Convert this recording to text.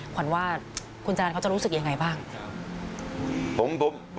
ขวัญว่าคุณจรรย์เขาจะรู้สึกยังไงบ้าง